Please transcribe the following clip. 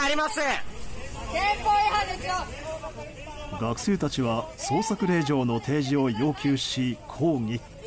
学生たちは捜索令状の提示を要求し抗議。